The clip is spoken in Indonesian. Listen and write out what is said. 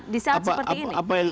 di saat seperti ini